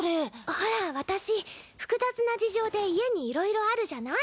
ほら私複雑な事情で家にいろいろあるじゃない。